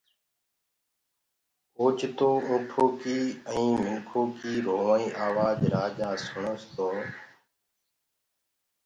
اوچتو اُنٚٺو ڪيٚ ائيٚنٚ مِنکو ڪيٚ رُووآئيٚ آواج رآجآ سُڻس تو